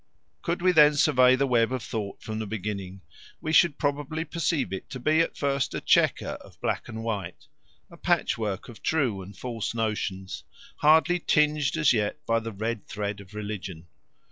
Could we then survey the web of thought from the beginning, we should probably perceive it to be at first a chequer of black and white, a patchwork of true and false notions, hardly tinged as yet by the red thread of religion.